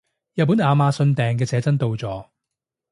日本亞馬遜訂嘅寫真到咗